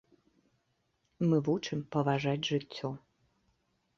Мы вучым паважаць жыццё.